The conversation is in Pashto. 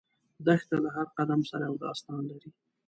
دښته له هر قدم سره یو داستان لري.